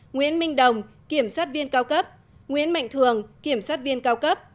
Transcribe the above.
nguyễn minh đồng kiểm sát viên cao cấp nguyễn mạnh thường kiểm sát viên cao cấp